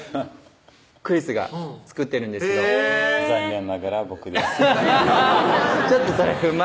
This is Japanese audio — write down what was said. クリスが作ってるんですけどへぇ残念ながら僕ですちょっとそれ不満？